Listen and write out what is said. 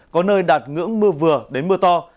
có nơi đạt ngưỡng mưa vừa đến mưa to